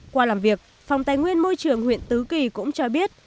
qua làm việc phòng tài nguyên môi trường huyện tứ kỳ cũng cho biết